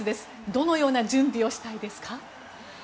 どのような準備をしたいですか？